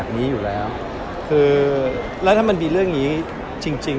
ถ้ามันไม่ควรจัดการพี่จะถาม